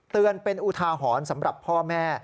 เตือนเป็นอุทาหรณ์สำหรับพ่อแม่